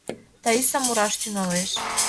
Таиса мураш тӱҥалеш.